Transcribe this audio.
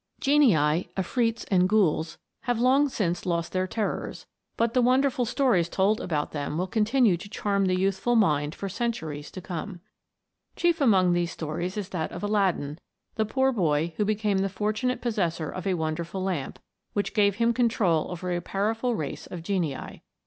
GENII, afrits, and ghouls, have long since lost their terrors, but the wonderful stories told about them will continue to charm the youthful mind for cen turies to come. Chief among these stories is that of Aladdin, the poor boy, who became the fortu nate possessor of a wonderful lamp, which gave him control over a powerful race of genii.